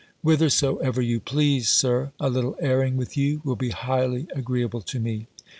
"Whithersoever you please, Sir. A little airing with you will be highly agreeable to me."